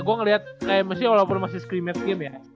gua ngeliat kayak mesin walaupun masih scrim match game ya